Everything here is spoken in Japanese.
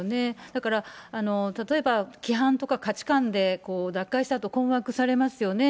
だから、例えば規範とか価値観で脱会したあと、困惑されますよね。